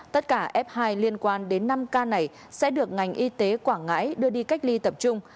tất cả f hai liên quan đến năm ca này sẽ được ngành y tế quảng ngãi đưa đi cách ly tập trung